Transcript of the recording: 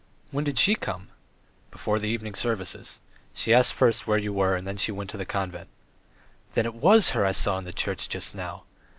When did she come?" "Before the evening service. She asked first where you were and then she went to the convent." "Then it was her I saw in the church, just now!